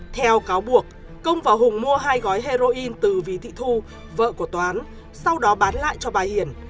theo cáo buộc công và hùng mua hai gói heroin từ vị thị thu vợ của toán sau đó bán lại cho bà hiền